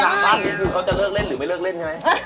สร้างอย่างนี้คือเขาจะเลิกเล่นหรือไม่เลิกเล่นใช่ไหม